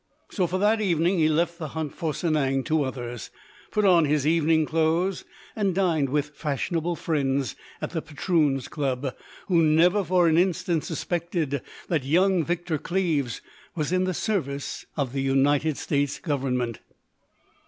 So, for that evening, he left the hunt for Sanang to others, put on his evening clothes, and dined with fashionable friends at the Patroons' Club, who never for an instant suspected that young Victor Cleves was in the Service of the United States Government.